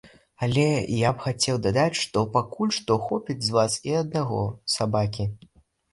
Але я б хацеў дадаць, што пакуль што хопіць з вас і аднаго сабакі.